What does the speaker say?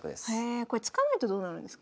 これ突かないとどうなるんですか？